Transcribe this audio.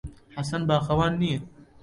حەسەن باخەوان نییە.